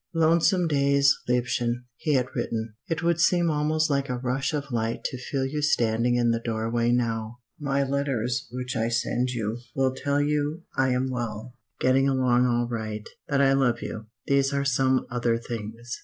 "Lonesome days, liebchen," he had written. "It would seem almost like a rush of light to feel you standing in the doorway now. "My letters which I send you will tell you I am well, getting along all right, that I love you. These are some other things.